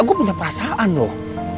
gue punya perasaan loh